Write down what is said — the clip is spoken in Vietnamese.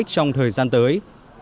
trong thời gian tới